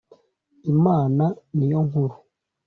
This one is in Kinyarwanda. Imana niyonkuru.